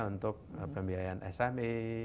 untuk pembiayaan sme